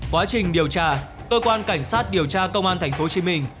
quá trình điều tra cơ quan cảnh sát điều tra công an thành phố hồ chí minh